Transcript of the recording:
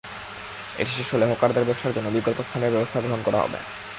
এটি শেষ হলে হকারদের ব্যবসার জন্য বিকল্প স্থানের ব্যবস্থা গ্রহণ করা হবে।